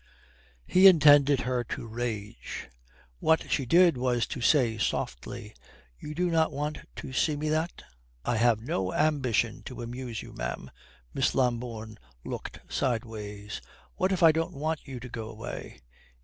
He intended her to rage. What she did was to say softly: "You do not want to see me that?" "I have no ambition to amuse you, ma'am." Miss Lambourne looked sideways. "What if I don't want you to go away?"